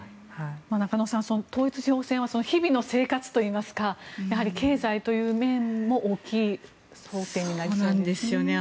中野さん、統一地方選は日々の生活といいますかやはり経済という面も大きい争点になりそうですね。